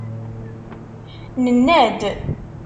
Nenna-d.